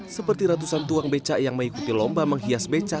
seperti ratusan tukang beca yang mengikuti lomba menghias beca